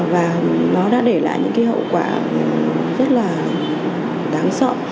và nó đã để lại những cái hậu quả rất là đáng sợ